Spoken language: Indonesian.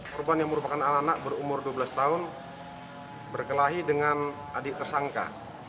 korban yang merupakan anak anak berumur dua belas tahun berkelahi dengan adik tersangka